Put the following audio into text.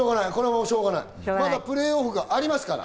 まだプレーオフがありますから。